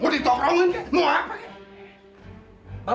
mau ditongkrongin mau apa ini